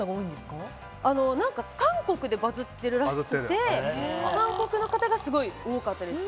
韓国でバズってるらしくて韓国の方がすごく多かったです。